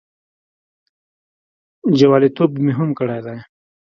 جوالیتوب مې هم کړی دی.